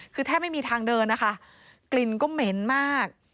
คือแทบไม่มีทางเดินนะคะกลิ่นก็เหม็นมาก